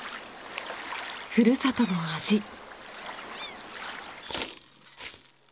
ふるさとの味。